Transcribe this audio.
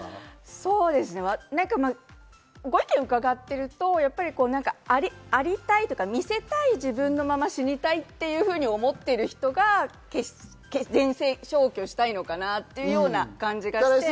ご意見を伺っていると、ありたいというか、見せたい自分のまま死にたいというふうに思っている人が全消去したいのかなというような感じがして。